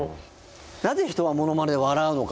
なぜ人はモノマネで笑うのか。